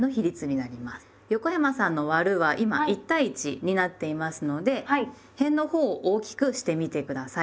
横山さんの「『割』る」は今１対１になっていますのでへんのほうを大きくしてみて下さい。